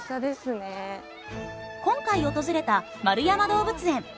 今回訪れた円山動物園。